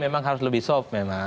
memang harus lebih soft memang